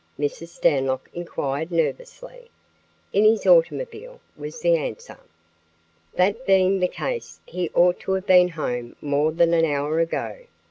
Mrs. Stanlock inquired nervously. "In his automobile," was the answer. That being the case, he ought to have been home more than an hour ago.